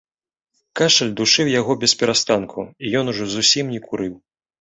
Кашаль душыў яго бесперастанку, і ён ужо зусім не курыў.